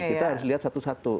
kita harus lihat satu satu